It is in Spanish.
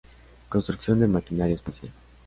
Construcción de maquinaria espacial.